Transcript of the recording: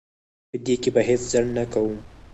په دې کې به هیڅ ځنډ نه کوم.